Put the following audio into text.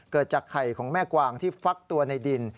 เกิดจากไข่ของแม่กวางที่ฟักตัวในดิน